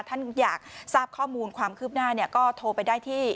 ท่านอยากทราบข้อมูลความคืบหน้าเนี่ยก็โทรไปได้ที่